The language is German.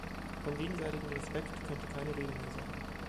Vom gegenseitigen Respekt könnte keine Rede mehr sein.